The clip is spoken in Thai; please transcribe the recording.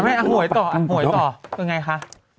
อ่ะหวยต่อหวยต่อเป็นไงคะ